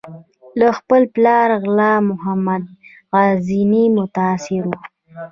له خپل پلار غلام محمد طرزي متاثره و.